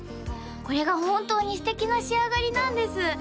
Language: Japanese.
これが本当に素敵な仕上がりなんです